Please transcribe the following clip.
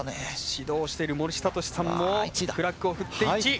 指導している森敏さんもフラッグを振って１位。